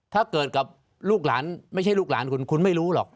ถ้าเกิดกับลูกหลานไม่ใช่ลูกหลานคุณคุณไม่รู้หรอก